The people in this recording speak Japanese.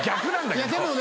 いやでもね